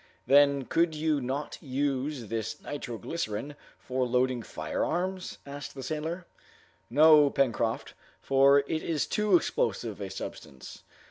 "Then could you not use this nitro glycerine for loading firearms?" asked the sailor. "No, Pencroft; for it is too explosive a substance.